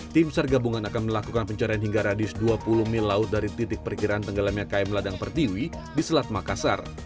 tim sar gabungan akan melakukan pencarian hingga radius dua puluh mil laut dari titik perkiraan tenggelamnya km ladang pertiwi di selat makassar